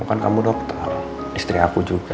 bukan kamu dokter istri aku juga